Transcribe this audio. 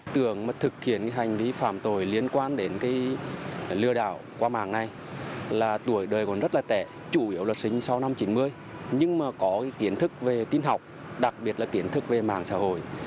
tưởng mà thực hiện hành vi phạm tội liên quan đến cái lừa đảo qua mạng này là tuổi đời còn rất là trẻ chủ yếu là sinh sau năm chín mươi nhưng mà có kiến thức về tin học đặc biệt là kiến thức về mạng xã hội